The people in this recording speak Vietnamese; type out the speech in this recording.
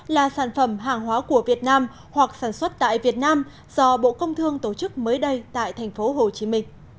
là sản phẩm hàng hóa của việt nam hoặc sản xuất tại việt nam do bộ công thương tổ chức mới đây tại tp hcm